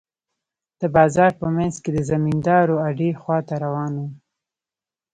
د بازار په منځ کښې د زمينداورو اډې خوا ته روان وم.